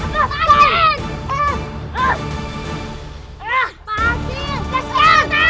pak hasi kasih atas